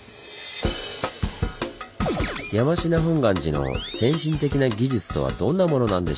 山科本願寺の先進的な技術とはどんなものなんでしょう？